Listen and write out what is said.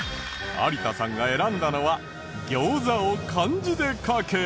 有田さんが選んだのはギョウザを漢字で書け。